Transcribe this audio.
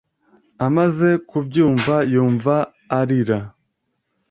Amaze kubyumva, yumva arira.